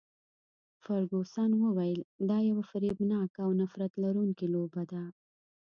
فرګوسن وویل، دا یوه فریبناکه او نفرت لرونکې لوبه ده.